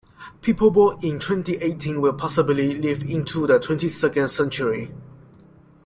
People born in twenty-eighteen will possibly live into the twenty-second century.